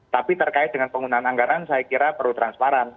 tapi terkait dengan penggunaan anggaran saya kira perlu transparan